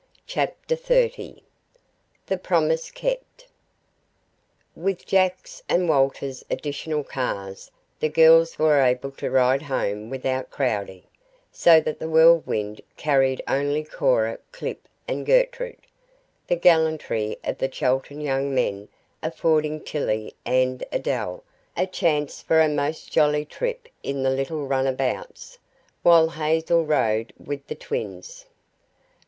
CHAPTER XXX THE PROMISE KEPT With Jack's and Walter's additional cars the girls were able to ride home without crowding, so that the Whirlwind carried only Cora, Clip and Gertrude the gallantry of the Chelton young men affording Tillie and Adele a chance for a most jolly trip in the little runabouts, while Hazel rode with the twins.